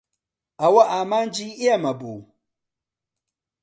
ئەوە ئامانجی ئێمە بوو.